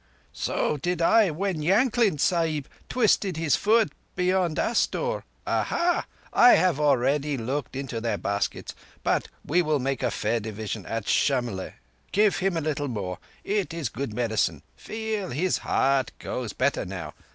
"So I did when Yankling Sahib twisted his foot beyond Astor. Aha! I have already looked into their baskets—but we will make fair division at Shamlegh. Give him a little more. It is good medicine. Feel! His heart goes better now.